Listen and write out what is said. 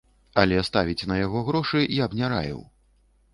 Але ставіць на яго грошы я б не раіў.